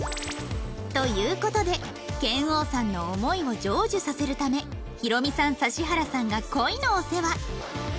という事で拳王さんの思いを成就させるためヒロミさん指原さんが恋のお世話